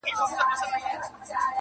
چي په ژوند یې ارمان وخېژي نو مړه سي٫